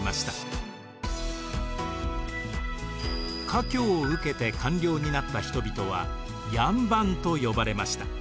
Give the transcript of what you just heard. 科挙を受けて官僚になった人々は両班と呼ばれました。